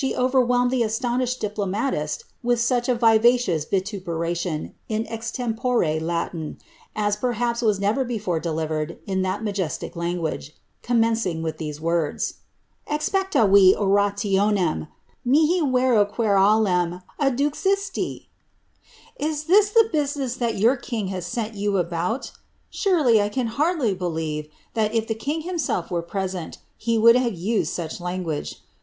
overwhelmed the astonished diplomatist with such a vivacious vitu ■tioii, in extempore Latin, as perhaps was never before delivered in t majestic language, commencing with these words :— Exp«ctaTi oretionem, mihi vero querelam adduxistil I diis the business that your king has sent you about ? Surely, I caL dly believe that if the king himself were present, he would have id such language.